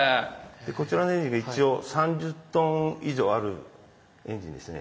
こちらのエンジンが一応３０ｔ以上あるエンジンですね。